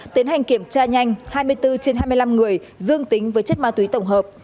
tiến hành kiểm tra nhanh hai mươi bốn trên hai mươi năm người dương tính với chất ma túy tổng hợp